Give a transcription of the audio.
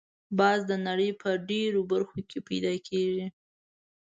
باز د نړۍ په ډېرو برخو کې پیدا کېږي